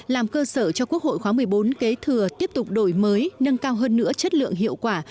làm cơ sở cho quốc hội khóa một mươi bốn kế thừa tiếp tục đổi mới nâng cao hơn nữa chất lượng hiệu quả